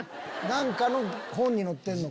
何かの本に載ってんのか。